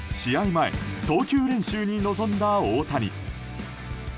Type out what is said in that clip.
前、投球練習に臨んだ大谷。